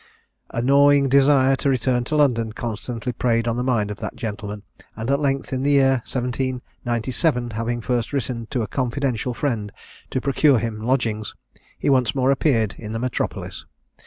A gnawing desire to return to London constantly preyed on the mind of that gentleman, and at length in the year 1797, having first written to a confidential friend to procure him lodgings, he once more appeared in the metropolis.